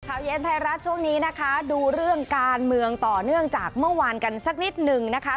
เย็นไทยรัฐช่วงนี้นะคะดูเรื่องการเมืองต่อเนื่องจากเมื่อวานกันสักนิดหนึ่งนะคะ